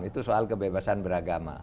itu soal kebebasan beragama